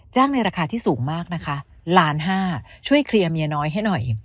ในราคาที่สูงมากนะคะล้านห้าช่วยเคลียร์เมียน้อยให้หน่อย